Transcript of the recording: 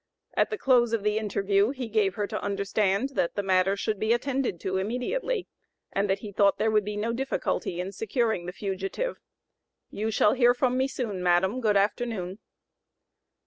At the close of the interview he gave her to understand that the matter should be attended to immediately, and that he thought there would be no difficulty in securing the fugitive. "You shall hear from me soon, madam, good afternoon."